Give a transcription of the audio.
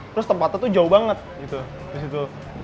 terus tempatnya tuh jauh banget gitu